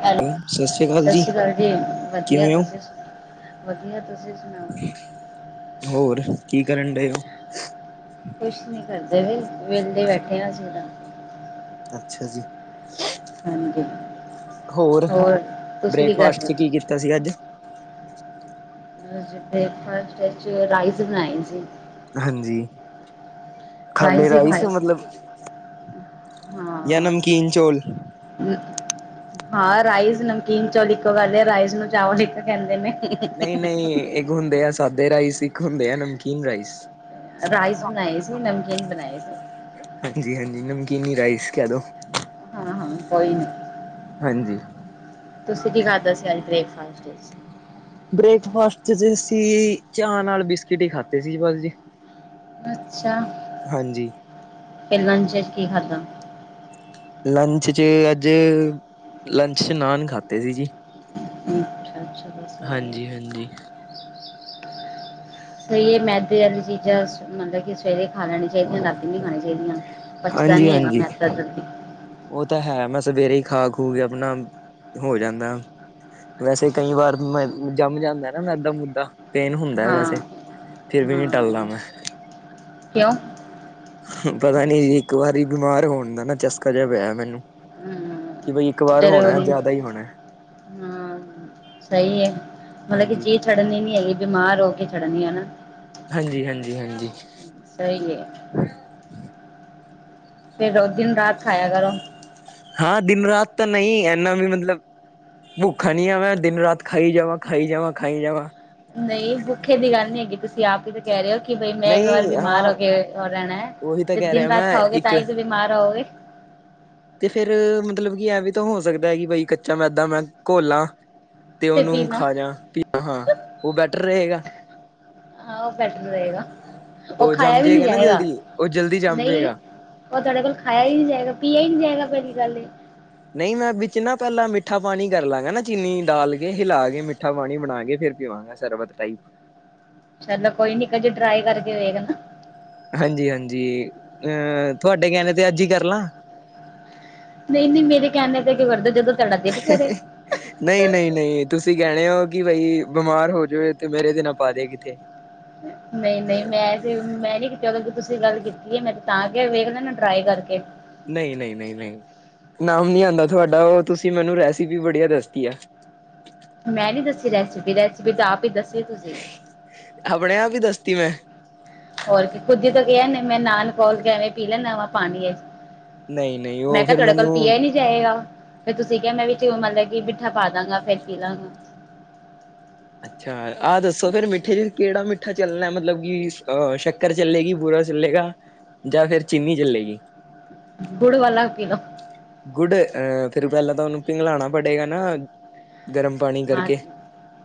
Hello, ਸਾਸਰੀ ਅਕਾਲ ਜੀ ਵਧੀਆ ਕਿਵੇਂ ਹੋ ਤੁਸੀਂ ਸੁ ਵਧੀਆ ਤੁਸੀਂ ਸੁਣਾਓ? ਹੋਰ ਕੀ ਕਰਨ ਡਏਓ? ਕੁਛ ਨੀ ਕਰਦੇ ਪੇ, ਵਿਹਦੇ ਬੈਠੇ ਹ ਅਸੀਂ ਤਾਂ। ਅੱਛਾ ਜੀ। ਹਾਂਜੀ ਹੋਰ ਤੁਸੀਂ ਕੀ ਬ੍ਰੇਕਫਾਸਟ ਕਰਦੇ ਚ ਹੋ? ਕੀ ਕੀਤਾ ਸੀ ਅੱਜ? ਬ੍ਰੇਕਫਾਸਟ 'ਚ ਰਾਈਸ ਬਣਾਏ ਸੀ। ਹਾਂਜੀ। ਖਾਲੇ ਹੀ ਰਾਈਸ ਖਾਏ ਸੀ ਮਤਲਬ ਜਾਂ ਨਮਕੀਨ ਚੋਲ। ਹੂ। ਹਾਂ ਰਾਈਸ ਨਮਕੀਨ ਚੌਲ ਇੱਕੋ ਗੱਲ ਆ, ਰਾਈਸ ਨੂੰ ਚਾਵਲ ਈ ਤਾਂ ਕਹਿੰਦੇ ਨੇ। ਨਈ ਨਈ ਇੱਕ ਹੁੰਦੇ ਆ ਸਾਦੇ ਰਾਈਸ ਇੱਕ ਹੁੰਦੇ ਆ ਨਮਕੀਨ ਰਾਈਸ। ਰਾਈਸ ਬਣਾਏ ਸੀ ਅਰ ਨਮਕੀਨ ਬਣਾਏ ਸੀ। ਹਾਂਜੀ ਹਾਂਜੀ ਨਮਕੀਨੀ ਰਾਈਸ ਕਹਿ ਦੋ। ਹਾਂ ਹਾਂ ਕੋਈ ਨੀ। ਹਾਂਜੀ। ਤੁਸੀਂ ਕੀ ਖਾਧਾ ਸੀ ਅੱਜ ਬ੍ਰੇਕਫਾਸਟ ਵਿੱਚ? ਬ੍ਰੇਕਫਾਸਟ 'ਚ ਜੀ ਅਸੀਂ ਚਾਹ ਨਾਲ ਬਿਸਕਿਟ ਹੀ ਖਾਦੇ ਸੀ ਜ ਬਸ ਜੀ। ਅੱਛਾ। ਹਾਂਜੀ। ਤੇ ਲੰਚ ਚ ਕੀ ਖਾਧਾ? ਲੰਚ 'ਚ ਅੱਜ, ਲੰਚ 'ਚ ਨਾਨ ਖਾਦੇ ਸੀ ਜੀ। ਅੱਛਾ ਅੱਛਾ ਬਸ ਹੋ ਗਿਆ। ਹਾਂਜੀ ਹਾਂਜੀ। ਸਹੀਏ ਮੈਦੇ ਵਾਲੀ ਚੀਜ਼ਾਂ ਮਲਬ ਕਿ ਸਵੇਰੇ ਖਾ ਲੈਣੀ ਚਾਹੀਦੀਆਂ ਰਾਤੀ ਨੀ ਖਾਣੀ ਚਾਹੀਦੀਆਂ ਪਚਦਾ ਹਾਂਜੀ ਨੀ ਹੈਗਾ ਹਾਂਜੀ ਮੈਂਦ ਜਲਦੀ। ਉਹ ਤਾਂ ਹੈ ਮੈਂ ਸਵੇਰੇ ਹੀ ਖਾ ਖੂ ਕੇ ਆਪਣਾ, ਹੋ ਜਾਂਦਾ। ਵੈਸੇ ਕਈ ਵਾਰ ਮੈਂ ਜੰਮ ਜਾਂਦਾ ਨਾ ਮੈਂਦਾਂ ਮੁੱਦਾ। ਪੇਨ ਹੁੰਦਾ ਹਾਂ ਵੈਸੇ ਫਿਰ ਵੀ ਨ ਟਲਨਾ ਮੈਂ। ਕਯੋੰ? ਪਤਾ ਨੀ ਜੀ ਇੱਕ ਵਾਰੀ ਬਿਮਾਰ ਹੋਨ ਦਾ ਨਾ ਚਸਕਾ ਜਾ ਪੇਯਾ ਮੈਨੂੰ। ਹਮ, ਕਿ ਬਾਈ ਇੱਕ ਵਾਰ ਹੋਣਾ ਜ਼ਰੂਰੀ ਜਾਦਾ ਈ ਹੋਣਾ। ਹਾਂ। ਸਈ ਏ ਮਤਲਬ ਕਿ ਹਾਂਜੀ ਚੀਜ਼ ਛੱਡਨੀ ਨੀ ਹੈਗੀ ਬਿਮਾਰ ਹੋ ਕੇ ਛੱਡਨੀ ਏ ਹੈਨਾ? ਹਾਂਜੀ, ਹਾਂਜੀ, ਹਾਂਜੀ। ਸਈ ਏ। ਫਿਰ ਰੋ ਦਿਨ ਰਾਤ ਖਾਯਾ ਕਰੋ। ਹਾਂ ਦਿਨ ਰਾਤ ਤਾਂ ਨਈ ਐਨਾ ਵੀ ਮਤਲਬ ਭੁੱਖਾ ਨੀ ਆਂ ਮੈਂ, ਦਿਨ ਰਾਤ ਖਾਈ ਜਾਵਾਂ, ਖਾਈ ਜਾਵਾਂ, ਖਾਈ ਜਾਵਾਂ। ਨਈ ਭੁੱਖੇ ਦੀ ਗੱਲ ਨੀ ਹੈਗੀ ਤੁਸੀਂ ਤੁਸੀਂ ਆਪ ਈ ਤੇ ਕੈ ਰੇ ਓ ਕਿ ਬਈ ਮੈਂ ਇੱਕ ਵਾਰ ਨਹੀਂ ਬਿਮਾਰ ਹਾਂ ਹੋ ਕੇ ਓ ਰੈਣਾ ਐ ਉਹੀ ਤਾਂ ਤੇ ਕਹਿ ਦਿਨ ਰਿਹਾ ਰਾਤ ਮੈਂ ਖਾਓਗੇ ਇੱਕ ਤਾਂ ਈ ਤੇ ਬੀਮਾਰ ਹੋਵਗੇ। ਤੇ ਫੇਰ ਮਤਲਬ ਕਿ ਐ ਵੀ ਤਾਂ ਹੋ ਸਕਦਾ ਐ ਕਿ ਬਈ ਕੱਚਾ ਮੈਦਾ ਮੈਂ ਘੋਲਾਂ ਤੇ ਓਨੂੰ ਖਾ ਜਾ [unintelligible] ਹਾਂ ਓ ਬੈਟਰ ਰਏਗਾ। ਹਾਂ ਓ ਬੈਟਰ ਰਏਗਾ, ਓ ਉਹ ਖਾਇਆ ਜੰਮ ਵੀ ਨੀ ਜੇਗਾ ਨਾ ਜਾਏਗਾ ਜਲਦੀ ਉਹ ਜਲਦੀ ਜੰਮ ਨਈ। ਜੇਗਾ ਓ ਤੁਆਡੇ ਕੋਲ ਖਾਇਆ ਈ ਨੀ ਜਾਏਗਾ ਪਿਆ ਈ ਨੀ ਜਾਏਗਾ ਪੈਲੀ ਗੱਲ ਏ। ਨਈ ਮੈਂ ਵਿੱਚ ਨਾ ਪੈਲਾਂ ਮਿੱਠਾ ਪਾਨੀ ਕਰ ਲਾਂਗਾ ਨਾ ਚੀਨੀ ਡਾਲ ਕੇ, ਹਿਲਾ ਕੇ ਮਿੱਠਾ ਪਾਨੀ ਬਨਾ ਕੇ ਫੇਰ ਪੀਵਾਂਗਾ। ਸ਼ਰਬਤ ਟਾਈਪ। ਚਲੋ ਕੋਈ ਨੀ, ਕਜੇ ਟਰਾਈ ਕਰਕੇ ਵੇਖਨਾ। ਹਾਂਜੀ-ਹਾਂਜੀ, ਅਹ ਤੁਆਡੇ ਕੈਨੇ ਤੇ ਅੱਜ ਈ ਕਰ ਲਾਂ? ਨਈ-ਨਈ ਮੇਰੇ ਕੈਨੇ ਤੇ ਕਯੋਂ ਕਰਦੇ ਓ ਜਦੋਂ ਤੁਹਾਡਾ ਦਿਲ ਕਰੇ [inaudible] ਨਈ, ਨਈ, ਨਈ ਤੁਸੀਂ ਕੈਣੇ ਹੋ ਕਿ ਬਈ ਬਿਮਾਰ ਹੋ ਜਵੇ ਤੇ ਮੇਰੇ ਤੇ ਨਾ ਪਾ ਦੇ ਕਿੱਥੇ। ਨਈ-ਨਈ, ਮੈਂ ਤੇ ਮੈਂ ਨੀ ਕੀਤੀ ਓ ਤੇ ਤੁਸੀਂ ਗੱਲ ਕੀਤੀ ਐ ਮੈਂ ਤੇ ਤਾਂ ਕੇਆ ਵੇਖ ਲੈਨਾ ਟਰਾਈ ਕਰਕੇ। ਨਈ, ਨਈ, ਨਈ, ਨਈ ਨਾਮ ਨੀ ਆਂਦਾ ਤੁਆਡਾ ਓ ਤੁਸੀਂ ਮੈਨੂੰ ਰੈਸਿਪੀ ਬੜੀਆਂ ਦੱਸਤੀ ਐ। ਮੈਂ ਨੀ ਦੱਸੀ ਰੈਸਪੀ, ਰੈਸਪੀ ਤੇ ਆਪ ਈ ਦੱਸ ਦਸੀ ਤੁਸੀਂ। ਅਪਣੇ ਆਪ ਈ ਦੱਸਤੀ ਮੈਂ। ਹੋਰ ਕੀ ਖੁਦ ਈ ਤੇ ਕੇਆ ਨੇ ਮੈਂ ਨਾਨ ਘੋਲ ਕੇ ਨਹੀਂ ਨਹੀਂ ਮੈਂ ਉਹ ਕੇਆ ਫਿਰ ਤੁਆਡੇ ਕੋਲ ਮੈਨੂੰ ਪੀਆ ਈ ਨੀ ਜਾਏਗਾ ਫੇਰ ਤੁਸੀਂ ਕੇਆ ਮੈਂ ਵਿੱਚ ਮਤਲਬ ਕਿ ਮਿੱਠਾ ਪਾ ਦਾਂਗਾ ਫੇਰ ਪੀ ਲਾਂਗਾ। ਅੱਛਾ ਆਹ ਦੱਸੋ ਫਿਰ ਮਿੱਠੇ 'ਚ ਕੇੜਾ ਮਿੱਠਾ ਚੱਲਣਾ ਮਤਲਬ ਕਿ ਅ ਸ਼ੱਕ ਕਰ ਚੱਲੇਗੀ, ਬੂਰਾ ਚੱਲੇਗਾ ਜਾਂ ਫਿਰ ਚੀਨੀ ਚੱਲੇਗੀ? ਗੁੜ ਵਾਲਾ ਪੀ ਲੋ। ਗੁਡ ਅ ਫਿਰ ਪੈਲਾਂ ਤਾਂ ਓਨੂੰ ਪਿੰਗਲਾਣਾ ਪੜੇਗਾ ਨਾ, ਗਰਮ ਪਾਣੀ ਕਰਕੇ।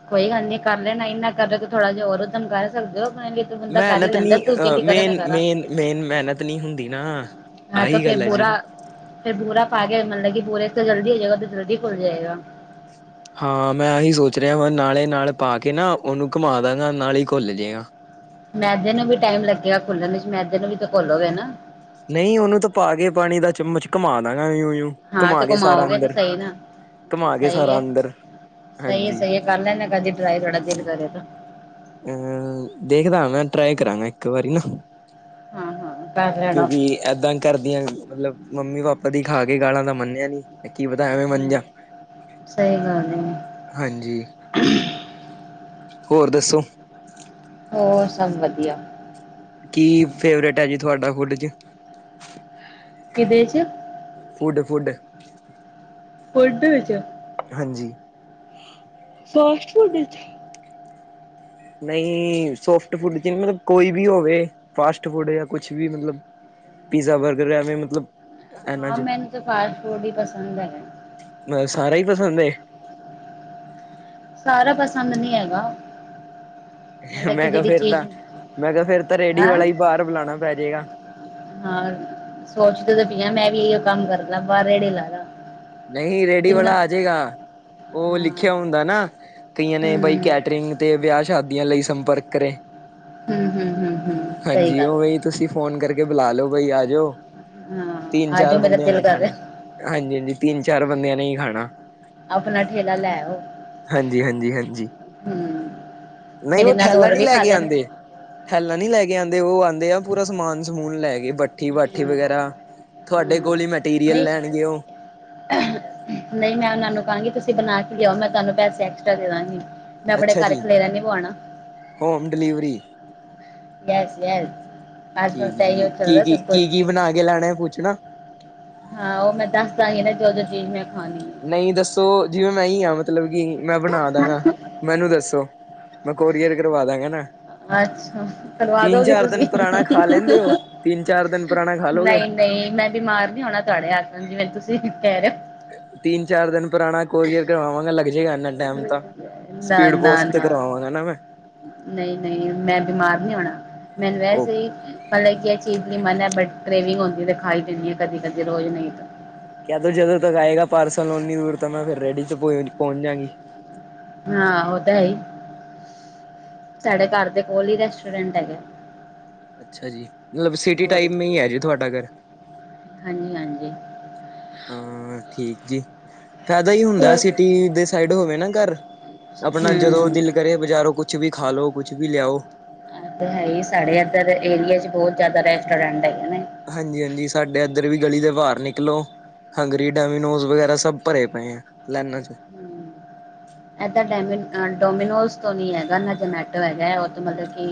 ਕੋਈ ਗੱਲ ਨੀ ਕਰ ਲੈਣਾ, ਇੰਨਾ ਕਰ ਰੇ ਤੇ ਥੋੜਾ ਜਾ ਹੋਰ ਊਧਮ ਕਰ ਸਕਦੇ ਓ ਅਪਣੇ ਲਈ। ਮੈਨਤ ਨੀ ਅ ਮੇਨ, ਮੇਨ ਮੈਨਤ ਨੀ ਹੁੰਦੀ ਨਾ। ਹਾਂ ਤਾਂ ਆਹੀ ਫੇਰ ਗੱਲ ਹੈ ਜੀ ਬੂਰਾ, ਫਿਰ ਬੂਰਾ ਪਾ ਕੇ ਮਤਲਬ ਕਿ ਬੂਰੇ ਤੋਂ ਜਲਦੀ ਹੋ ਜੇਗਾ, ਜਲਦੀ ਘੁਲ ਜੇਗਾ। ਹਾਂ ਮੈਂ ਆਹੀ ਸੋਚ ਰਆਂ ਵਾਂ ਨਾਲੇ ਨਾਲ ਪਾ ਕੇ ਨਾ, ਓਨੂੰ ਘੁਮਾ ਦਾਂਗਾ ਨਾਲੇ ਘੁਲ ਜੇਗਾ। ਮੈਦੇ ਨੂੰ ਵੀ ਟਾਈਮ ਲੱਗੇਗਾ ਘੁਲਣ ਇਚ ਮੈਦੇ ਨੂੰ ਵੀ ਤੇ ਘੋਲੋਗੇ ਨਾ। ਨਈ ਓਨੂੰ ਤਾਂ ਪਾ ਕੇ ਪਾਣੀ ਦਾ ਚਮਚ ਘੁਮਾ ਦਾਗਾਂ ਯੂ ਯੂ। ਹਾਂ ਘਮਾ ਤੇ ਕੇ ਸਾਰਾ ਘੁਮਾਓਗੇ ਤਾਂ ਅੰਦਰ, ਸਹੀ ਨਾ ਘਮਾ ਕੇ ਸਹੀ ਸਾਰਾ ਹੈ ਅੰਦਰ ਸਹੀ ਹੈ ਹਾਂਜੀ। ਸਹੀ ਹੈ ਕਰ ਲੈਨਾ ਕਦੀ ਟਰਾਈ, ਤੁਆਡਾ ਦਿਲ ਕਰੇ ਤਾਂ। ਅਹ ਦੇਖਦਾ ਮੈਂ ਟਰਾਈ ਕਰਾਂਗਾ ਇੱਕ ਵਾਰੀ ਨਾ। ਹਾਂ ਹਾਂ ਕਰ ਲੈਣਾ ਕਿਉਂਕਿ ਇਦਾਂ ਕਰਦੀਆਂ ਮਤਲਬ ਮੰਮੀ-ਪਾਪਾ ਦੀ ਖਾ ਕੇ ਗਾਲਾਂ ਤਾਂ ਮੰਨਿਆ ਨੀ ਕੀ ਪਤਾ ਐਵੇਂ ਮਣ ਹਮ, ਜਾਣ। ਸਹੀ ਗੱਲ ਏ। ਹਾਂਜੀ ਹੋਰ ਦੱਸੋ? ਹੋਰ ਸਭ ਵਧੀਆ। ਕੀ ਫੇਵਰੇਟ ਹੈ ਜੀ ਤੁਹਾਡਾ ਫੁਡ ਚ? ਕਿਦੇ ਚ? Food food. ਫੁਡ ਚ ਹਾਂਜੀ ਫਾਸਟ ਫੂਡ ਵਿੱਚ? ਨਈ ਸੋਫਟ ਫੁੱਡ ਕੋਈ ਵੀ ਹੋਵੇ ਫਾਸਟ ਫੂਡ ਜਾਂ ਕੁਛ ਵੀ ਮਤਲਬ ਪੀਜ਼ਾ, ਬਰਗਰ ਐਵੇਂ ਮਤਲਬ ਇਹਨਾਂ ਹਾਂ ਚ ਮੈਨੂੰ ਤਾਂ ਫਾਸਟ-ਫੂਡ ਹੀ ਪਸੰਦ ਹੈਗਾ। ਯਾ ਸਾਰਾ ਈ ਪਸੰਦ ਏ? ਸਾਰਾ ਪਸੰਦ ਨੀ ਹੈਗਾ। ਮਤਲਬ ਕਿ ਮੈਂ ਕਿਹਾ ਜਿਹੜੀ ਫਿਰ ਤਾਂ, ਚੀਜ਼ ਮੈਂ ਕਿਹਾ ਫਿਰ ਤਾਂ ਰੈੜੀ ਹੈ ਵਾਲਾ ਹੀ ਬਾਹਰ ਬੁਲਾਣਾ ਪੈ ਜੇਗਾ। ਹਾਂ ਸੋਚਦੀ ਤੇ ਪਿਆ ਮੈਂ ਵੀ ਇਹੀ ਕੰਮ ਕਰਲਾ ਬਾਹਰ ਰੇੜੀ ਲਾ ਲਾ। ਨਈ ਰੇੜੀ ਜਿੰਨਾ ਵਾਲਾ ਆ ਜਾਏਗਾ। ਉਹ ਹਾਂ ਲਿਖਿਆ ਹੁੰਦਾ ਨਾ ਕਈਆਂ ਨੇ ਹੂੰ ਬਾਈ ਕੈਟਰਿੰਗ ਤੇ ਵਿਆਹ -ਸ਼ਾਦੀਆਂ ਲਈ ਸੰਪਰਕ ਕਰੇ, ਹੂੰ ਹੂੰ ਹੂੰ ਹੂੰ ਸਹੀ ਹਾਂਜੀ ਗੱਲ ਉਹ ਹੈ। ਤੁਸੀਂ ਫੋਨ ਕਰਕੇ ਬੁਲਾ ਲਓ ਬਾਈ ਆ ਜਾਓ ਹਾਂ ਤੀਨ- ਆਜੋ ਚਾਰ ਮੇਰਾ ਬੰਦਿਆਂ ਦਿਲ ਨੇ ਕਰ ਖਾਣਾ। ਰਿਹਾ ਹਾਂਜੀ ਹਾਂਜੀ ਤਿੰਨ, -ਚਾਰ ਬੰਦਿਆਂ ਨੇ ਈ ਖਾਣਾ। ਆਪਣਾ ਠੇਲਾ ਲੈ ਆਓ। ਹਾਂਜੀ, ਹਾਂਜੀ, ਹਾਂਜੀ। ਹੂੰ। ਨਈ ਮੇਰੇ ਓ ਨਾਲ ਠੈਲਾ ਹੋਰ ਨੀ ਵੀ ਲੈ ਖਾ ਕੇ ਲੈਣਗੇ ਆਂਦੇ ਠੈਲਾ ਨੀ ਲੈ ਕੇ ਆਂਦੇ, ਓ ਆਂਦੇ ਆ ਪੂਰਾ ਸਮਾਨ- ਸਮੂਨ ਲੈ ਕੇ ਬਠੀ-ਬੈਠੀ ਹੂੰ ਵਗੈਰਾ ਤੁਹਾਡੇ ਹੂੰ ਕੋਲ ਈ ਮੈਟੀਰੀਅਲ ਨਹੀਂ ਲੈਣਗੇ ਓ ਨਈ ਮੈਂ ਓਨਾਂ ਨੂੰ ਕਾਗੀ ਤੁਸੀਂ ਬਨਾ ਕੇ ਲੇਆਓ ਮੈਂ ਤਾਨੂ ਪੈਸੇ ਐਕਸਟਰਾ ਦੇ ਦਾਗੀ ਮੈਂ ਅਪਣੇ ਅੱਛਾ ਘਰ ਜੀ ਖਲੇਰਾ ਨੀ ਪੁਆਣਾ ਹੋਮ ਡਿਲੀਵਰੀ ਯੈਸ, ਯੈਸ। ਅੱਜ ਕੱਲ ਠੀਕ ਤਾਂ ਜੀ, ਇਹੀਓ ਚੱਲਦਾ ਕੀ-ਕੀ, ਸਭ ਕੁਛ ਕੀ-ਕੀ ਬਣਾ ਕੇ ਲਾਣਾ ਪੁਛਣਾ? ਹਾਂ, ਓ ਮੈਂ ਦੱਸ ਦਾਂ ਗੀ ਨਾ ਜੋ-ਜੋੋ ਚੀਜ਼ ਮੈਂ ਖਾਂਣੀ ਨਈ ਦੱਸੋ, ਜਿਵੇਂ ਮੈਂ ਈ ਆ ਮਤਲਬ ਕਿ ਮੈਂ ਬਣਾ ਦਾਗਾ। ਮੈਨੂੰ ਦੱਸੋ, ਮੈਂ ਕੋਰੀਅਰ ਕਰਵਾ ਦਵਾਗਾ ਨਾ। ਅੱਛਾ ਕਰਵਾ ਤਿੰਨ ਦੋਗੇ ਚਾਰ ਤੁਸੀਂ, ਦਿਨ ਪੁਰਾਣਾ ਖਾ ਲੈਂਦੇ ਹੋ ਤਿੰਨ ਚਾਰ ਦਿਨ ਪੁਰਾਣਾ ਖਾ ਲੋਗੇ ਨਈ ਨਈ, ਮੈਂ ਬਿਮਾਰ ਨੀ ਹੋਣਾ ਤੁਆਡੇ ਹੱਥ ਨਾਲ ਜਿਵੇ ਤੁਸੀਂ ਕੈ ਰੇ ਹੋ ਤਿੰਨ-ਚਾਰ ਦਿਨ ਪੁਰਾਣਾ ਕੋਰੀਅਰ ਕਰਵਾਗਾ ਲੱਗ ਜੇਗਾ ਇੰਨਾ ਟੈਮ ਤਾਂ ਸਪੀਡ ਪੋਸਟ ਤੇ ਕਰਾਵਾਂਗਾ ਨਾ ਮੈਂ। ਨਈ-ਨਈ ਮੈਂ ਬਿਮਾਰ ਨੀ ਓਣਾ, ਮੈਨ ਉਹ ਵੈਸੇ ਈ ਪਰ ਐ ਕੀ ਐ ਚੀਜ਼ ਦੀ ਮਨਾ ਐ ਬੱਟ ਕ੍ਰੇਵਿਂਗ ਹੁੰਦੀ ਏ ਤੇ ਖਾ ਈ ਲੇਨੀ ਆ ਕਦੀ-ਕਦੀ ਰੋਜ਼ ਨਹੀਂ ਕੈਦੋ ਜਦੋਂ ਤੱਕ ਆਏਗਾ ਪਾਰਸਲ ਓਨੀ ਦੂਰ ਤਾਂ ਮੈਂ ਫੇਰ ਰੇੜੀ ਚ ਪੋ-ਪੋਚ ਜਾਗੀ। ਹਾਂ ਓ ਤਾਂ ਹੈ ਈ। ਸਾਡੇ ਘਰ ਦੇ ਕੋਲ ਈ ਰੈਸਟ੍ਰੋਰੈਂਟ ਹੈਗਾ ਅੱਛਾ ਜੀ, ਮਤਲਬ ਸਿਟੀ ਟਾਈਮ ਮੇ ਈ ਐ ਜੀ ਤੁਆਡਾ ਘੱਰ ਹਾਂਜੀ-ਹਾਂਜੀ। ਹੂੰ, ਠੀਕ ਜੀ। ਫੈਦਾ ਈ ਹੁੰਦਾ ਸਿਟੀ ਦੇ ਸਾਈਡ ਹੋਵੇ ਨਾ ਘੱਰ, ਅਪਣਾ ਜਦੋਂ ਹੂੰ ਦਿਲ ਕਰੇ ਬਜ਼ਾਰੋਂ ਕੁਛ ਵੀ ਖਾ ਲੋ, ਕੁੱਛ ਵੀ ਲੇਆਓ ਐ ਤੇ ਹੈ ਈ ਏ ਸਾਡੇ ਐਦਰ ਦੇ ਏਰੀਏ ਚ ਬੋਤ ਜਾਦਾ ਰੈਸਟੋਰੈਨਟ ਹੈ ਗੇ ਨੇ ਹਾਂਜੀ-ਹਾਂਜੀ ਸਾਡੇ ਐਧਰ ਵੀ ਗੱਲੀ ਦੇ ਬਾਹਰ ਨਿਕਲੋ ਹੰਗਰੀ, ਡੈਮੀਨੋਜ਼ ਵਗੈਰਾ ਸਬ ਪਰੇ ਪਏਂ ਐਂ ਲੈਨਾਂ ਚ ਐਦਾ ਡੈਮੀਨ ਅ ਡੋਮੀਨੋਸ ਤੋਂ ਨੀ ਐਗਾ ਨਾ ਜਮੈਟੋ ਹੈਗਾ ਓ ਤੇ ਮਤਲ ਕਿ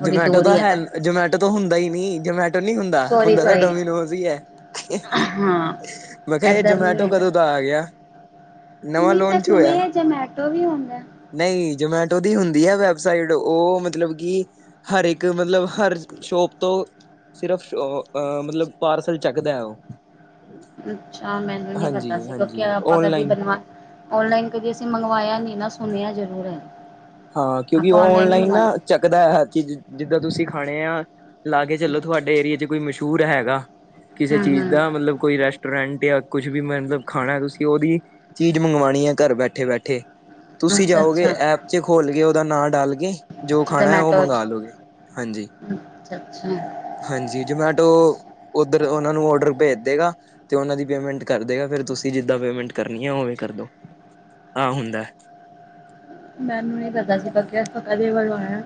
ਥੋੜ੍ਹੀ ਜਮੈਟੋ ਦੂਰ ਤਾਂ ਹੀ ਹੈ ਹੈਗਾ ਜਮੈਟੋ ਤੋਂ ਹੁੰਦਾ ਈ ਨੀ ਜਮੈਟੋ ਨੀ ਹੁੰਦਾ, ਸੋਰੀ ਹੁੰਦਾ ਤਾਂ ਸੋਰੀ ਡੋਮੀਨੋਜ ਈ ਐ। ਹਾਂ ਮੈਂ ਕੇਆ ਏ ਇੱਧਰ ਨਹੀਂ ਜਮੈਟੋ ਹੈਗਾ ਕਦੋਂ ਤੋ ਆ ਗਯਾ ਨਵਾਂ ਲੋਂਚ ਹੋਯਾ। ਅਵੀ ਹੁੰਦੈ। ਨਈ ਜਮੈਟੋ ਦੀ ਹੁੰਦੀ ਐ ਵੈਬਸਾਈਟ ਓ ਮਤਲਬ ਕਿ ਹਰ ਏਕ ਮਤਲਬ ਹਰ ਸ਼ੋਪ ਤੋਂ ਸਿਰਫ ਸ਼ੋਪ ਅ ਮਤਲਬ ਪਾਰਸਲ ਚੱਕਦਾ ਓ। ਅੱਛਾ, ਮੈਨੂੰ ਨੀ ਪਤਾ ਸੀ ਕਿਓਕਿ ਹਾਂਜੀ-ਹਾਂਜੀ ਅਪਾ ਕਦੀ ਓਨਲਾਈਨ ਬਨਵਾ ਔਨੋਲਾਈਨ ਕਦੀ ਅਸੀ ਮੰਗਵਾਏਆ ਨੀ ਨਾ ਸੁਣਯਾ ਜ਼ਰੂਰ ਐ। ਹਾਂ, ਕਿਉਕਿ ਔਨਲਾਈਨ ਨਾ ਚੱਕਦਾ ਐ ਹਰ ਚੀਜ਼ ਜਿਦਾਂ ਤੁਸੀਂ ਖਾਣੇ ਆ, ਲਾ ਕੇ ਚਲੋ ਚਲੋ ਤੁਹਾਡੇ ਏਰੀਏ ਚ ਕੋਈ ਮਸ਼ਹੂਰ ਹੈਗਾ ਕਿਸੇ ਹੂੰ ਚੀਜ਼ ਦਾ ਹੂੰ ਮਤਲਬ ਕੋਈ ਰੈਸ਼ਟ ਰੈਂਟ ਯਾ ਕੁਛ ਵੀ ਮਤਲਬ ਖਾਣਾ ਐ ਤੁਸੀਂ ਓਦੀ ਚੀਜ ਮੰਗਵਾਣੀ ਐ ਘੱਰ ਬੈਠੇ-ਬੈਠੇ ਤੁਸੀਂ ਅੱਛਾ ਜਾਓਗੇ ਅੱਛਾ ਐਪ ਚ ਖੋਲ ਗੇ ਓਦਾ ਨਾਂ ਡਾਲ ਕੇ ਜੋ ਖਾਣਾ ਓ ਮੰਗਾ ਲੋਗੇ, ਹਾਂਜੀ। ਅੱਛਾ-ਅੱਛਾ। ਹਾਂਜੀ, ਜਮੈਟੋ ਓਧਰ ਓਨਾ ਨੂੰ ਔਡਰ ਪੇਜ ਦੇਗਾ ਤੇ ਓਨਾਂ ਦੀ ਪੇਮੈਂਟ ਕਰ ਦੇਗਾ ਫੇਰ ਤੁਸੀਂ ਜਿੱਦਾਂ ਪੇਮੈਂਟ ਕਰਨੀ ਐਂ ਓਵੇਂ ਕਰਦੋ, ਆ ਹੁੰਦੈ। ਮੈਨੂੰ ਨੀ ਪਤਾ ਸੀ ਪੱਕੇਆ ਪਕਾ [unintelligible]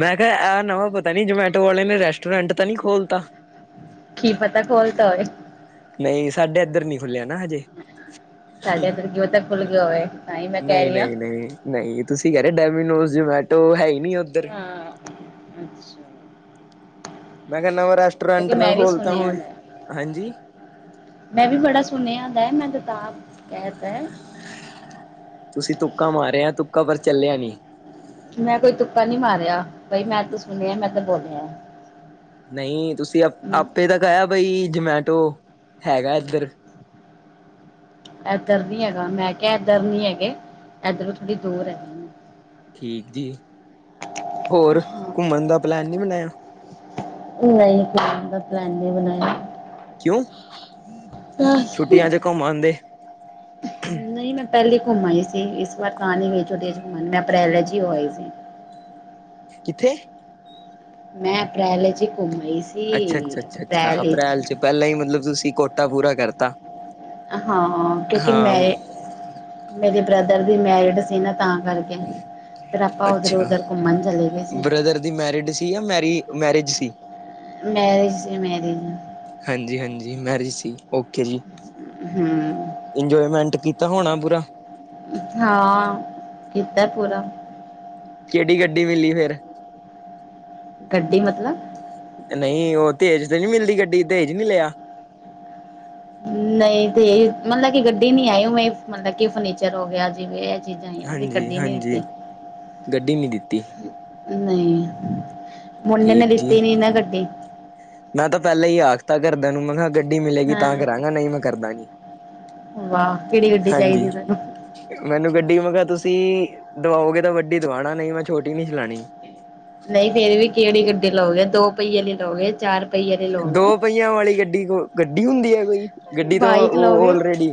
ਮੈਂ ਕੇਹਾ ਐ ਨਵਾਂ ਪਤਾ ਨੀ ਜਮੈਟੋ ਵਾਲੇ ਨੇ ਰੈਸਟੋਰੈਂਟ ਤੇ ਨੀ ਖੋਲਤਾ। ਕੀ ਪਤਾ ਖੋਲਤਾ ਹੋਏ। ਨਈ ਸਾਡੇ ਐਧਰ ਨੀ ਖੁੱਲਿਆ ਨਾ ਹਜੇ। ਸਾਡੇ ਇਧੱਰ ਕਿ ਪਤਾ ਖੁੱਲ ਗਿਆ ਹੋਏ ਤਾਂ ਈ ਮੈਂ ਕੈ ਰੀ ਆ। ਨਈ ਤੁਸੀਂ ਕੈ ਰਹੇ ਡੈਮੀਨੋਜ, ਜਮੈਟੋ ਹੈ ਈ ਨੀ ਓੱਧਰ। ਹਾਂ ਅੱਛਾ। ਮੈਂ ਕੇਆ, ਨਵਾ ਰੈਸਟੋਰੈਂਟ ਕਿਉਂਕਿ ਨਾ ਮੈਂ ਵੀ ਖੋਲਤਾ ਸੁਣਿਆ ਹੋਵੇ ਦਾ ਹਾਂਜੀ। ਮੈਂ ਵੀ ਬੜਾ ਸੁਣਿਆ ਦਾ ਮੈਂ ਤੇ ਤਾਂ ਕੈਤਾ। ਤੁਸੀਂ ਤੁੱਕਾ ਮਾਰਯਾ ਤੁੱਕਾ ਪਰ ਚੱਲਿਆ ਨੀ। ਮੈਂ ਕੋਈ ਤੁੱਕਾ ਨੀ ਮਾਰੇਆ ਬਈ ਮੈਂ ਤੇ ਸੁਣਿਆ ਮੈਂ ਤੇ ਬੋਲਯਾ। ਨਈ, ਤੁਸੀਂ ਅ ਆਪੇ ਤਾਂ ਕੇਹਾ ਬਈ ਜਮੈਟੋ ਹੈਗਾ ਐਧਰ। ਐਧਰ ਨੀ ਹੈਗਾ ਮੈਂ ਕੇਆ ਐਧਰ ਨੀ ਹੈਗੇ ਏਧਰੋਂ ਥੋੜੀ ਦੂਰ ਐ। ਠੀਕ ਜੀ, ਹੋਰ ਕੁੰਮਣ ਦਾ ਪਲੈਨ ਨੀ ਬਨਾਯਾ। ਨਈ ਕੁੰਮਣ ਦਾੱ ਪਲੈਨ ਨੀ ਬਣਾਯਾ। ਕਿਉੱ, ਛੁੱਟੀਆਂ ਚ ਘੁੰਮ ਆਂਦੇ। ਨਈ ਮੈਂ ਪੈਲੇ ਈ ਘੁੰਮ ਆਈ ਸੀ ਇਸ ਵਾਰ ਤਾਂ ਨੀ ਗਈ ਛੁਟਿਆ ਚ ਕੁੰਮਣ ਮੈਂ ਅਪ੍ਰੈਲ ਚ ਈ ਹੋ ਆਈ ਸੀ। ਕਿੱਥੇ? ਮੈਂ ਅਪ੍ਰੈਲ ਵਿਚ ਘੁਮ ਰੀ ਸੀ ਅੱਛਾ ਅੱਛਾ ਅੱਛਾ ਅੱਛਾ ਅਪ੍ਰੈਲ ਵਿਚ ਚ ਪਹਿਲਾਂ ਹੀ ਮਤਲਬ ਤੁਸੀਂ ਕੋਟਾ ਪੂਰਾ ਕਰਤਾ। ਹਾਂ, ਕਿਉਂਕਿ ਹਾਂ ਮੈ ਏ ਮੇਰੇ ਬ੍ਰਦਰ ਦੀ ਮੈਰਿਡ ਸੀ ਨਾ ਤਾਂ ਤਾ ਕਰਕੇ, ਫਿਰ ਆਪਾਂ ਉਧਰੋਂ ਅੱਛਾ ਉਧਰ ਘੁੰਮਣ ਚਲੇ ਗਏ ਸੀ। ਬ੍ਰਦਰ ਦੀ ਮੈਰਿਡ ਸੀ। ਸੀ ਆ ਮੈਰੀ-ਮੈਰਿਜ ਸੀ। ਮੈਰਿਜ ਸੀ ਮੈਰਿਜ। ਹਾਂਜੀ, ਹਾਂਜੀ ਮੈਰਿਜ ਸੀ ਓਕੇ ਜੀ। ਹੂੰ। ਇੰਜੋਏਮੈਂਟ ਕੀਤਾ ਹੋਣਾ ਪੂਰਾ? ਹਾਂ, ਕਿਤਾ ਸੀਗਾ। ਕਿਹੜੀ ਗੱਡੀ ਮਿਲੀ ਫੇਰ? ਗੱਡੀ ਮਤਲਬ। ਨਈ ਉਹ ਤੇ ਦਹੇਜ ਤੇ ਨਈ ਮਿਲਦੀ ਗੱਡੀ ਦੇਹਜ ਨਈ ਲਿਆ? ਨਈ ਦੇਹਜ ਮਤਲਬ ਕਿ ਗੱਡੀ ਨੀ ਆਈ ਉਵੇਂ ਮਤਲਬ ਕਿ ਫਰਨੀਚਰ ਹੋ ਗਿਆ ਜਿਵੇਂ ਚੀਜ਼ਾਂ ਹੋ ਗਿਆ, ਅਸੀਂ ਹਾਂਜੀ ਗੱਡੀ ਨੀ ਹਾਂਜੀ। ਲਿੱਤੀ। ਗੱਡੀ ਨੀ ਦਿੱਤੀ ਨਈ ਮੁੰਡੇ ਨੇ ਠੀਕ ਜੀ। ਲਿੱਤੀ ਨੀ ਨਾ ਗੱਡੀ। ਮੈਂ ਤਾਂ ਪਹਿਲਾਂ ਹੀ ਆਖਤਾ ਘਰਦਿਆਂ ਨੂੰ ਮੈਂ ਕਿਹਾ ਗੱਡੀ ਮਿਲੇਗੀ ਹਾਂ ਤਾਂ ਕਰਾਂਗਾ ਨਈ ਮੈਂ ਕਰਦਾ ਨੀ। ਵਾਹ, ਕਿਹੜੀ ਗੱਡੀ ਹਾਂਜੀ ਚਾਈਦੀ ਤੁੈਨੂੰ? ਮੈਨੂੰ ਗੱਡੀ ਮੈਂ ਕਿਹਾ ਤੁਸੀਂ ਦਵਾਓਗੇ ਤਾਂ ਵੱਡੀ ਦਵਾਣਾ ਨਈ ਮੈਂ ਛੋਟੀ ਨਈ ਚਲਾਣੀ। ਨਈ ਫੇਰ ਵੀ ਕਿਹੜੀ ਗੱਡੀ ਲਓਗੇ ਦੋ ਪਹੀਏ ਵਾਲੀ ਲਓਗੇ ਚਾਰ ਪਹੀਏ ਲਈ ਲਓਗੇ ਦੋ ਪਹੀਆਂ ਵਾਲੀ ਗੱਡੀ ਕੋ ਗੱਡੀ ਹੁੰਦੀ ਹੈ ਕੋਈ ਗੱਡੀ ਤੋਂ ਬਾਈਕ ਉਹ ਲਓਗੇ ਆੱਲਰੇਡੀ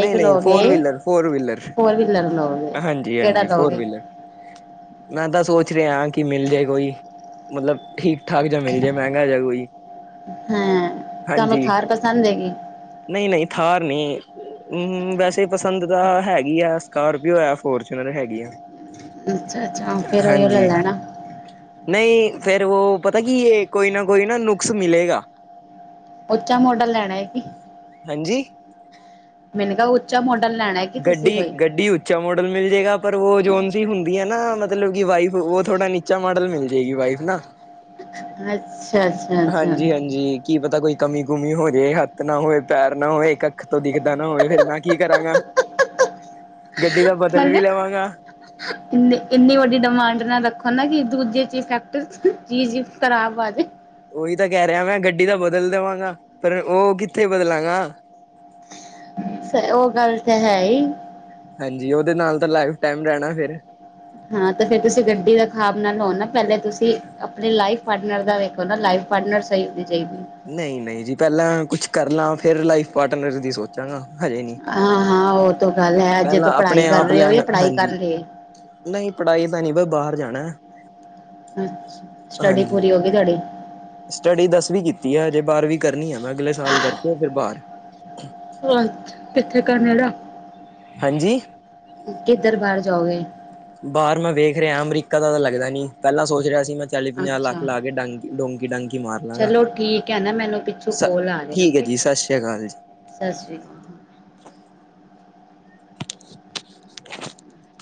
ਨਈ- ਨਈ ਲਓਗੇ four wheeler, four wheeler four wheeler ਲਓਗੇ ਹਾਂਜੀ, ਕਿਹੜਾ ਹਾਂਜੀ ਫੋਰ ਲਓਗੇ ਵੀਲਰ। ਮੈਂ ਤਾਂ ਸੋਚ ਰਿਹਾ, ਕਿ ਮਿਲ ਜਾਏ ਕੋਈ ਮਤਲਬ ਠੀ- ਠਾਕ ਜਾਂ ਮਿਲ ਜੇ ਮਹਿੰਗਾ ਜਿਆ ਕੋਈ। ਹੂੰ, ਤੁਹਾਨੂੰ ਥਾਰ ਪਸੰਦ ਹੈਗੀ? ਨਈ ਨਈ ਥਾਰ ਨਈ। ਹਮ ਵੈਸੇ ਪਸੰਦ ਤਾਂ ਹੈਗੀ ਹੈ ਸਕੋਰਪੀਓ ਹੈ ਫੋਰਚੂਨਰ ਹੈਗੀ ਆ। ਅੱਛਾ, ਅੱਛਾ ਫਿਰ ਉਹੀ ਓ ਲੈ ਲੈਣਾ। ਨਈ ਫੇਰ ਉਹ ਪਤਾ ਕੀ ਇਹ ਕੋਈ ਨਾ ਕੋਈ ਨਾ ਨੁਕਸ ਮਿਲੇਗਾ। ਉੱਚਾ ਮੋਡਲ ਲੈਣਾ ਐ ਕੀ? ਹਾਂਜੀ ਮੈਨੂੰ ਕੇਆ ਉੱਚਾ ਮੋਡਲ ਲੈਣਾ ਕੀ ਤੁਸੀਂ ਗੱਡੀ ਕੋਈ? ਗੱਡੀ ਉੱਚਾ ਮਾਡਲ ਮਿਲ ਜੇਗਾ ਪਰ ਉਹ ਜੋਨ ਸੀ ਹੁੰਦੀ ਹੈ ਨਾ ਮਤਲਬ ਕਿ ਵਾਈਫ ਉਹ ਥੋੜ੍ਹਾ ਨੀਚਾ ਮਾਡਲ ਮਿਲ ਜਾਏਗੀ ਵਾਈਫ ਨਾ। ਅੱਛਾ- ਅੱਛਾ। ਅੱਛਾ ਹਾਂਜੀ ਹਾਂਜੀ। ਕੀ ਪਤਾ ਕੋਈ ਕਮੀ ਕੁੂਮੀ ਹੋ ਜਾਵੇ, ਹੱਥ ਨਾ ਹੋਵੇ, ਪੈਰ ਨਾ ਹੋਵੇ, ਇਕ ਅੱਖ ਤੋਂ ਦਿਖਦਾ ਨਾ ਹੋਵੇ, ਫਿਰ ਮੈਂ ਕੀ ਕਰਾਂਗਾ। [inaudible] ਗੱਡੀ ਤਾ ਬਦਲ ਵੀ ਲਵਾਂਗਾ। ਇੰਨੀ-ਇੰਨੀ ਵੱਡੀ ਡਿਮਾਂਡ ਨਾਲ ਰੱਖੋ ਨਾ, ਕਿ ਦੂਜੇ ਚ ਫੈਕਟ ਚੀਜ਼ ਖ਼ਰਾਬ ਆ ਜਾਵੇ। ਓਹੀ ਤਾਂ ਕਹਿ ਰਿਹਾ, ਮੈਂ ਗੱਡੀ ਤਾਂ ਬਦਲ ਦੇਵਾਂਗਾ, ਪਰ ਉਹ ਕਿੱਥੇ ਬਦਲਾਂਗਾ। ਫੇ ਉਹ ਗੱਲ ਤਾਂ ਹੈ ਹੀ। ਹਾਂਜੀ, ਉਹਦੇ ਨਾਲ ਤਾਂ ਲਾਈਫ ਟਾਈਮ ਰਹਿਣਾ ਫਿਰ ਹਾਂ ਤੇ ਫੇਰ ਤੁਸੀਂ ਗੱਡੀ ਦਾ ਖਾਬ ਨਾਲ ਲੋਓ ਨਾ, ਪਹਿਲੇ ਤੁਸੀਂ ਆਪਣੇ ਲਾਈਫ ਪਾਰਟਨਰ ਦਾ ਵੇਖ ਬੰਦਾ ਲਾਈਫ ਪਾਰਟਨਰ ਸਹੀ ਹੋਣੀ ਚਾਈਦੀ। ਨਈ-ਨਈ ਜੀ, ਪਹਿਲਾਂ ਕੁਛ ਕਰ ਲਾਂ, ਫਰ ਲਾਈਫ ਪਾਰਟਨਰ ਦੀ ਸੋਚਾਂਗਾ ਹਜੇ ਨੀ ਹਾਂ-ਹਾਂ, ਉਹ ਤ ਗੱਲ ਹੈ, ਜੇ ਤ ਪੜ੍ਹਾਈ ਆਪਣੇ ਕਰ ਆਪ ਰਹੇ ਹੋ ਲੈਣ ਜਾਂ ਪੜ੍ਹਾਈ ਕਰ ਹਾਂਜੀ ਲਏ ਨਹੀਂ, ਪੜ੍ਹਾਈ ਤਾਂ ਨਹੀਂ, ਬ ਬਾਹਰ ਜਾਣਾ ਅੱਛਾ, ਸਟੱਡੀ ਹਾਂਜੀ ਪੂਰੀ ਹੋ ਗਈ ਤੁਹਾਡੀ? ਸਟੱਡੀ ਦਸਵੀ ਕੀਤੀ ਹੈ ਹਜੇ, ਬਾਰਵੀ ਕਰਨੀ ਹੈ, ਮੈਂ ਅਗਲੇ ਸਾਲ ਕਰਕੇ ਫਿਰ ਬਾਹਰ [unintelligible] ਹਾਂਜੀ। ਕਿੱਧਰ ਬਾਹਰ ਜਾਓਗੇ? ਬਾਹਰ ਮੈਂ ਵੇਖ ਰਿਹਾ, ਅਮਰੀਕਾ ਦਾ ਤਾਂ ਲੱਗਦਾ ਨੀ, ਪਹਿਲਾ ਸੋਚ ਰਿਹਾ ਸੀ, ਮੈਂ ਚਾਲੀ, ਪੰਜਾਹ ਲੱਖ ਅੱਛਾ ਲਾ ਕੇ, ਡਾਂਗੀ ਡੋਂਕੀ ਡਾਂਕੀ ਮਾਰ ਲਵਾਂਗਾ, ਚਲੋ ਠੀਕ ਹੈ ਨਾ ਮੈਨੂੰ ਪਿੱਛੋਂ ਸ ਕੋਲ ਆ ਰਿਹਾ ਠੀਕ ਹੈ ਓਕੇ ਜੀ ਸਤ ਸ਼੍ਰੀ ਅਕਾਲ ਜੀ। ਸਤਿ ਸ਼੍ਰੀ ਅਕਾਲ। [inaudible]